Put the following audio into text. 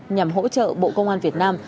nhằm hỗ trợ bộ công an việt nam